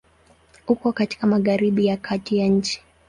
Uko katika Magharibi ya kati ya nchi.